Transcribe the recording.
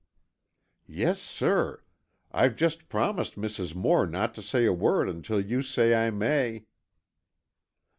"Yes, sir. I've just promised Mrs. Moore not to say a word until you say I may."